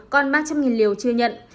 còn ba trăm linh liều chưa nhận